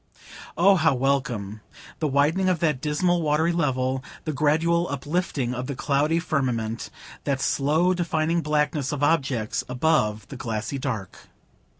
Oh, how welcome, the widening of that dismal watery level, the gradual uplifting of the cloudy firmament, the slowly defining blackness of objects above the glassy dark!